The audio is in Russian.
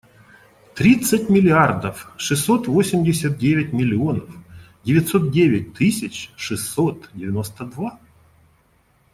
Тридцать миллиардов шестьсот восемьдесят девять миллионов девятьсот девять тысяч шестьсот девяносто два.